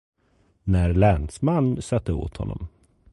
När länsman satte åt honom.